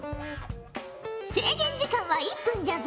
制限時間は１分じゃぞ。